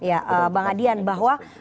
ya bang adian bahwa